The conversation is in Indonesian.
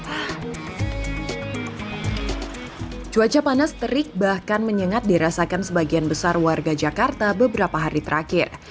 ah cuaca panas terik bahkan menyengat dirasakan sebagian besar warga jakarta beberapa hari terakhir